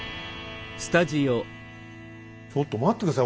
ちょっと待って下さい！